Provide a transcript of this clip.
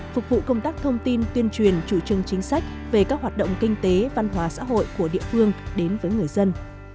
phục vụ công tác thông tin tuyên truyền chủ trương chính sách về các hoạt động kinh tế văn hóa xã hội của địa phương đến với người dân